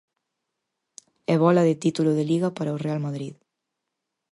E bóla de título de Liga para o Real Madrid.